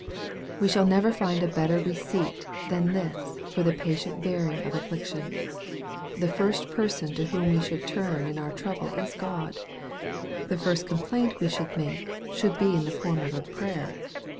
We shall never find a better receipt than this for the patient bearing of affliction. The first person to whom we should turn in our trouble is God. The first complaint we should make should be in the form of a prayer.